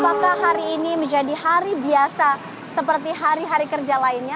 apakah hari ini menjadi hari biasa seperti hari hari kerja lainnya